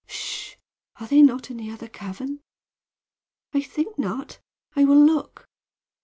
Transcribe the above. "Sh! Are they not in the other cavern?" "I think not. I will look."